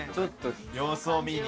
様子を見に。